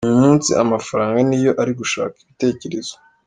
Uyu munsi amafaranga ni yo ari gushaka ibitekerezo.